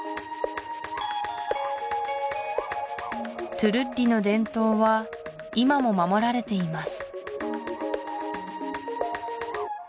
トゥルッリの伝統は今も守られています